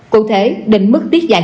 cụ thể định mức tiết dạng